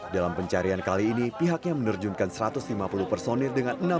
dalam pencarian kali ini pihaknya menerjunkan satu ratus lima puluh personil dengan enam orang